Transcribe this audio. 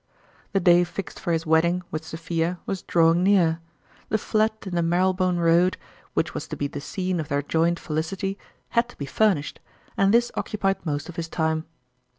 The day fixed for his wedding with Sophia was drawing near ; the flat in the Marylebone Road, which was to be the scene of their joint felicity, had to be furnished, and this occupied most of his time.